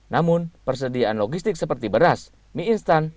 namun persediaan logistik seperti beras mie instan